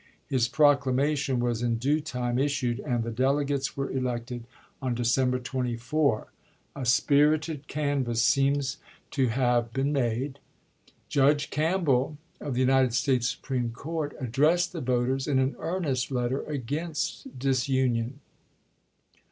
His proclamation was in due time issued, and the delegates were elected on December 24. A spirited canvass seems to have 186 ABKAHAM LINCOLN chap. xii. been made. Judge Campbell, of the United States Supreme Court, addressed the voters in an earnest letter against disunion.